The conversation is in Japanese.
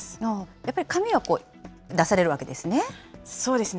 やっぱり紙は出されるわけですね。